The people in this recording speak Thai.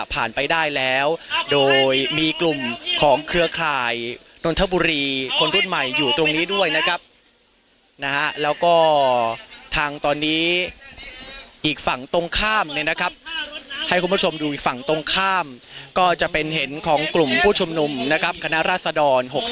ไปได้แล้วโดยมีกลุ่มของเครือข่ายนนทบุรีคนรุ่นใหม่อยู่ตรงนี้ด้วยนะครับนะฮะแล้วก็ทางตอนนี้อีกฝั่งตรงข้ามเนี่ยนะครับให้คุณผู้ชมดูอีกฝั่งตรงข้ามก็จะเป็นเห็นของกลุ่มผู้ชุมนุมนะครับคณะราษฎร๖๕